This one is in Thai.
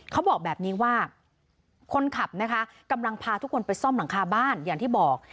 เขาบอกแบบนี้ว่าคนขับนะคะกำลังพาทุกคนไปซ่อมหลังคาบ้านอย่างที่บอก